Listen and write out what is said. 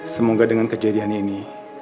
semoga dengan kejadian ini